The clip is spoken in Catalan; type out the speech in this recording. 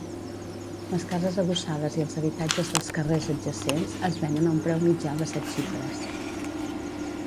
Les cases adossades i els habitatges dels carrers adjacents es venen a un preu mitjà de set xifres.